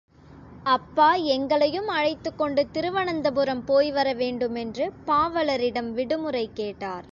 அப்பா எங்களையும் அழைத்துக் கொண்டு திருவனந்தபுரம் போய் வர வேண்டுமென்று பாவலரிடம் விடுமுறை கேட்டார்.